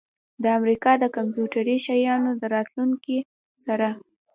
د امریکا د کمپیوټري شیانو د راتلونکي سره